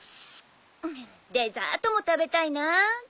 デザートも食べたいな。